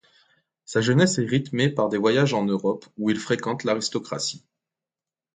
Sa jeunesse est rythmée par des voyages en Europe où il fréquente l'aristocratie.